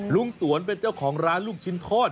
ลุงสวนเป็นเจ้าของร้านลูกชิ้นทอด